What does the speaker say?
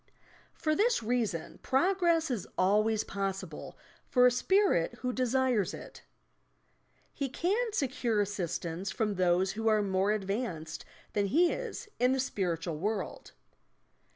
For this reason progress is always possible for a Spirit who desires it. He can secure assistance from those who are more advanced than he is in the spiritual world.